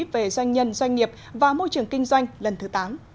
về doanh nhân doanh nghiệp và môi trường kinh doanh lần thứ tám